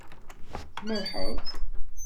Tmerrḥeḍ.